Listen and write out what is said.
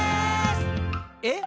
「え？